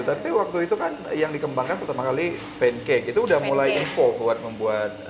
tapi waktu itu kan yang dikembangkan pertama kali pancake itu udah mulai info buat membuat